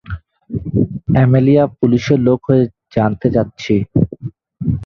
Amelia, পুলিশের লোক হয়ে জানতে চাচ্ছি।